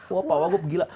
wah pak wagup gila